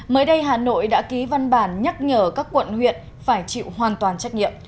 mới đây hà nội đã ký văn bản nhắc nhở các quận huyện phải chịu hoàn toàn trách nhiệm